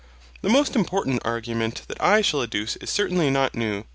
The most important argument that I shall adduce is certainly not new.